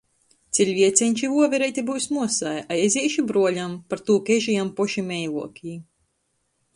Ciļvieceņš i vuovereite byus muosai, a ezeiši bruoļam, partū ka eži jam poši meiluokī.